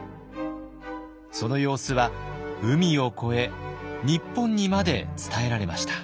その様子は海を越え日本にまで伝えられました。